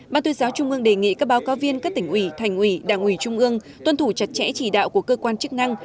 ban tuyên giáo trung ương đề nghị các báo cáo viên các tỉnh ủy thành ủy đảng ủy trung ương tuân thủ chặt chẽ chỉ đạo của cơ quan chức năng